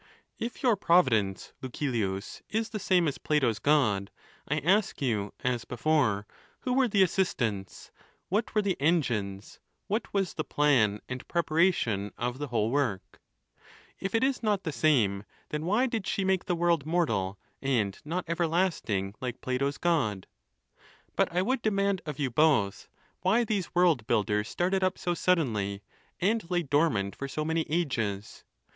If your Providence, Lucilius, is the same fis Plato's God, I ask you, as before, who were the at^sistants, what were the engines, what was the plan and preparation of the whole work ? If it is not the same, then why did she make the world mortal, and not everlasting, like Plato's God? IX. But I would demand of you both, why these world builders started up so suddenly, and lay dormant for so many ages?